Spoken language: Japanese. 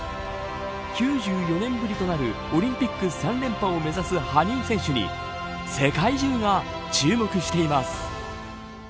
９４年ぶりとなるオリンピック３連覇を目指す羽生選手に世界中が注目しています。